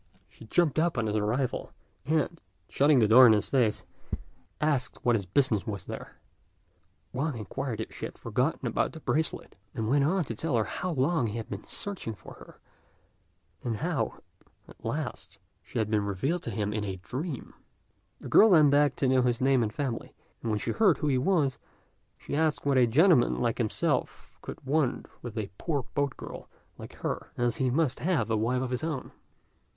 She jumped up on his arrival, and, shutting the door in his face, asked what his business was there. Wang inquired if she had forgotten about the bracelet, and went on to tell her how long he had been searching for her, and how, at last, she had been revealed to him in a dream. The girl then begged to know his name and family; and when she heard who he was, she asked what a gentleman like himself could want with a poor boat girl like her, as he must have a wife of his own.